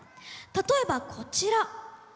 例えばこちら。